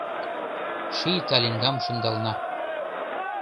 Ший талиҥгам шындална